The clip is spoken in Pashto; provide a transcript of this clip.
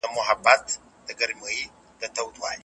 د هغوی مادي او معنوي حقوق ساتي او ورکوي.